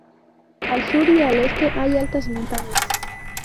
Al sur y al este hay altas montañas.